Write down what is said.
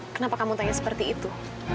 kenapa kamu tanya seperti itu